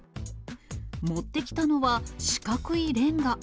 持ってきたのは四角いレンガ。